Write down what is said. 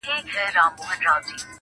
o مېړه څه وهلی، څه پوري وهلی!